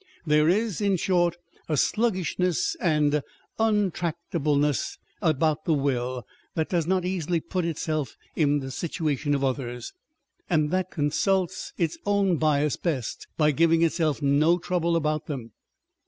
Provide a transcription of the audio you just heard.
There is, in short, a sluggishness and untractableness about the will, that does not easily put itself in the situa tion of others, and that consults its own bias best by giving itself no trouble about them.